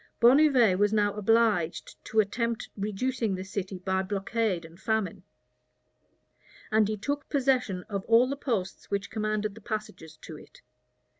Bonnivet was now obliged to attempt reducing the city by blockade and famine; and he took possession of all the posts which commanded the passages to it.